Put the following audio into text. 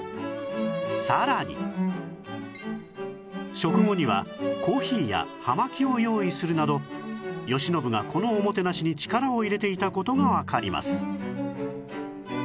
食後にはコーヒーや葉巻を用意するなど慶喜がこのおもてなしに力を入れていた事がわかります